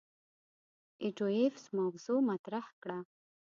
آټو ایفز موضوغ مطرح کړه.